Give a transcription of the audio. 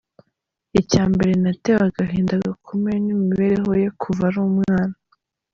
Icya mbere natewe agahinda gakomeye n’imibereho ye kuva ari umwana.